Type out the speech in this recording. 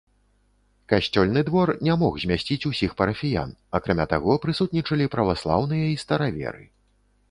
Касцёльны двор не змог змясціць усіх парафіян, акрамя таго прысутнічалі праваслаўныя і стараверы.